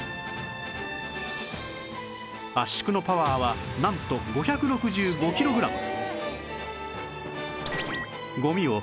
圧縮のパワーはなんと５６５キログラム